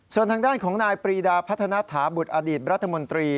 ส่วนทางด้านของนายปรีดาพัฒนาถาบุตรอดีตรัฐมนตรี